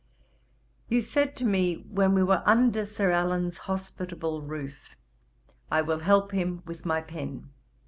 You said to me when we were under Sir Allan's hospitable roof, "I will help him with my pen."